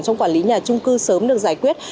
trong quản lý nhà trung cư sớm được giải quyết